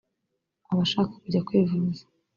abashaka kujya kwivuza